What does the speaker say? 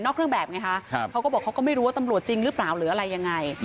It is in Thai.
เขาก็บอกเขาก็ไม่รู้ว่าตำรวจจริงหรือเปล่าอย่างอะไรยังไง